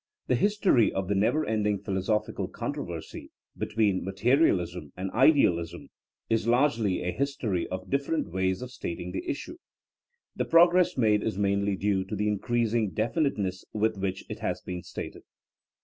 The history of the never ending philo sophical controversy between materialism*' and idealism '* is largely a history of differ ent ways of stating the issue ; the progress made is mainly due to the increasing definiteness with which it has been stated.